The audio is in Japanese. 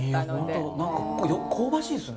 いい本当何か香ばしいですね！